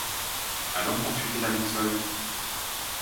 Allons consulter la boussole !